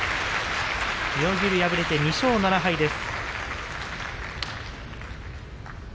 妙義龍、敗れて２勝７敗です。